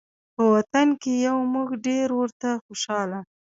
په وطن کې یو موږ ډېر ورته خوشحاله